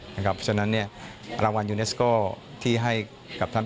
เพราะฉะนั้นรางวัลยูเนสโก้ที่ให้กับท่าน